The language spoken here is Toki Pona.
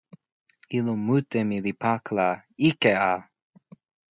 ilo mute mi li pakala. ike a!